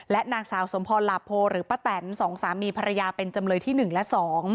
นางสาวสมพรหลาโพหรือป้าแตน๒สามีภรรยาเป็นจำเลยที่๑และ๒